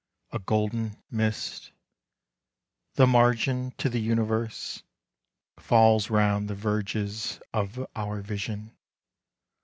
A golden mist The margin to the universe, — falls round The verges of our vision.